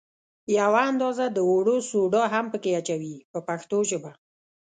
یوه اندازه د اوړو سوډا هم په کې اچوي په پښتو ژبه.